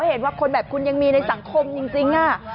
เห็นว่าคนแบบคุณยังมีในสังคมจริง